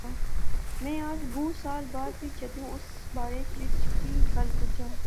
میں اج بہوں سال بعد وی جدوں اس بارے وچ کی گل بجاں